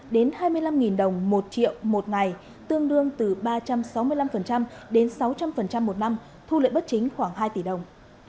đến hai mươi năm đồng một triệu một ngày tương đương từ ba trăm sáu mươi năm đến sáu trăm linh một năm thu lợi bất chính khoảng hai tỷ đồng